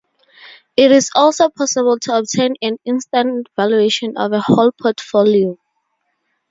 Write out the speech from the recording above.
It is also possible to obtain an instant valuation of a whole portfolio.